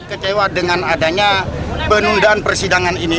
kecewa dengan adanya penundaan persidangan ini